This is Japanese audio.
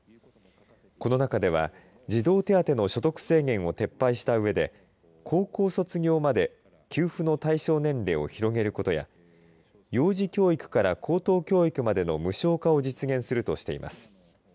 この中では、児童手当の所得制限を撤廃したうえで高校卒業まで給付の対象年齢を広げることや幼児教育から高等教育までの無償化を実現するとしています。